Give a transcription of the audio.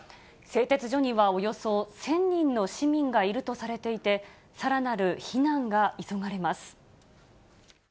製鉄所にはおよそ１０００人の市民がいるとされていて、さらなる避難が急がれます。